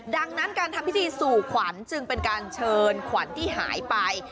ดังนั้นการทำพิธีสู่ขวัญจึงเป็นการเชิญขวัญที่หายไป